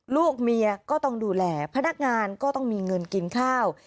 ลูกเมียก็ต้องดูแลพนักงานก็ต้องมีเงินกินข้าว